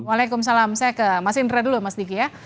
waalaikumsalam saya ke mas indra dulu mas diki ya